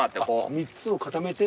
３つを固めて。